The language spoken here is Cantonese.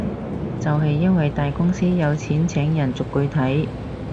就係因為大公司有錢請人逐句睇